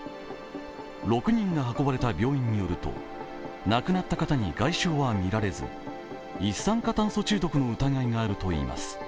６人が運ばれた病院によると亡くなった方に外傷は見られず一酸化炭素中毒の疑いがあるといいます。